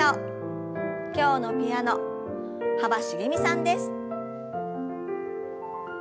今日のピアノ幅しげみさんです。